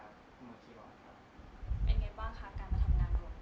สวัสดีครับดีครับ